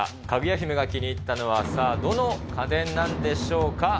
かぐや姫が気に入ったのは、さあ、どの家電なんでしょうか。